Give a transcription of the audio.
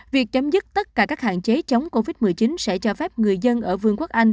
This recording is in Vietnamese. việc chấm dứt tất cả các hạn chế chống covid một mươi chín sẽ cho phép người dân ở vương quốc anh